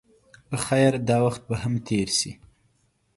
خیر دا وخت به هم تېر شي.